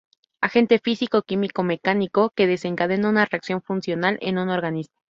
Agente físico, químico, mecánico…, que desencadena una reacción funcional en un organismo.